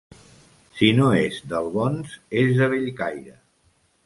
Si no és d'Albons, és de Bellcaire.